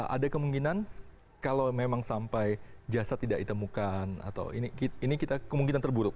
ada kemungkinan kalau memang sampai jasad tidak ditemukan atau ini kita kemungkinan terburuk